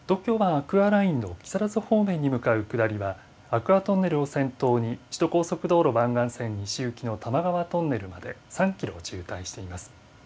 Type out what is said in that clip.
アクアラインの木更津方面に向かう下りはアクアトンネルを先頭に首都高速道路湾岸線西行きの玉川トンネルまで３キロ渋滞しています。